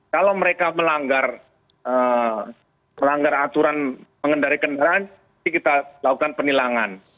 kalau mereka melanggar aturan pengendarai kendaraan kita lakukan penilangan